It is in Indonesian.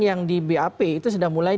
yang di bap itu sudah mulai